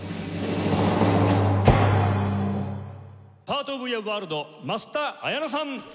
『パート・オブ・ユア・ワールド』益田彩乃さん！